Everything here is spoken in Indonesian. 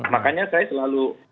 makanya saya selalu